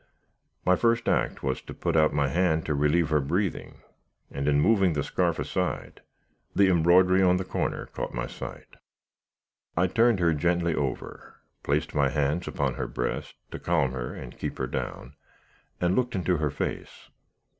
My first act was to put out my hand to relieve her breathing; and, in moving the scarf aside, the embroidery in the corner caught my sight. "I turned her gently over, placed my hands upon her breast to calm her and keep her down, and looked into her face.